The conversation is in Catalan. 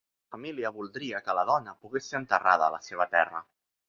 La família voldria que la dona pogués ser enterrada a la seva terra.